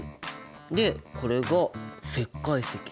でこれが石灰石。